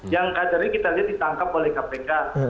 yang kadernya kita lihat ditangkap oleh kpk